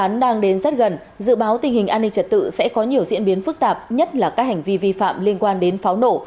dự án đang đến rất gần dự báo tình hình an ninh trật tự sẽ có nhiều diễn biến phức tạp nhất là các hành vi vi phạm liên quan đến pháo nổ